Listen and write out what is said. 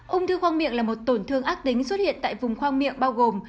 ung thư khoang miệng là một tổn thương ác tính xuất hiện tại vùng khoang miệng bao gồm